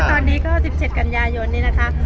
ตอนนี้ก็๑๗กันยายนนี่นะคะ